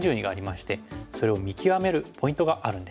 それを見極めるポイントがあるんです。